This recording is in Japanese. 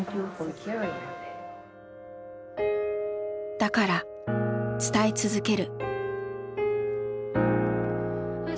だから伝え続ける。